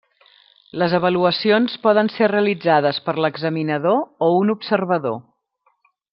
Les avaluacions poden ser realitzades per l'examinador o un observador.